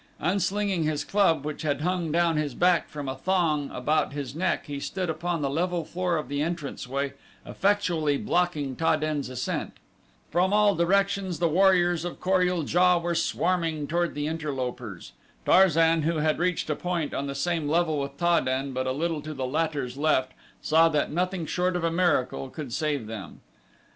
Unslinging his club which had hung down his back from a thong about his neck he stood upon the level floor of the entrance way effectually blocking Ta den's ascent. From all directions the warriors of Kor ul JA were swarming toward the interlopers. Tarzan, who had reached a point on the same level with Ta den but a little to the latter's left, saw that nothing short of a miracle could save them.